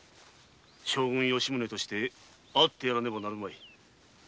将軍として会ってやらねばなるまい。